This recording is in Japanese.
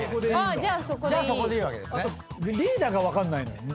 あとリーダーが分かんないのよ。